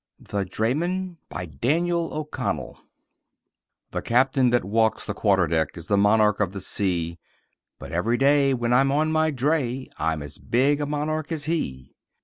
THE DRAYMAN BY DANIEL O'CONNELL The captain that walks the quarter deck Is the monarch of the sea; But every day, when I'm on my dray, I'm as big a monarch as he.